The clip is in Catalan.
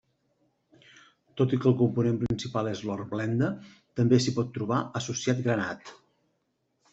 Tot i que el component principal és l'hornblenda també s'hi pot trobar associat granat.